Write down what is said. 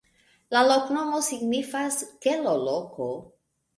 La loknomo signifas: kelo-loko.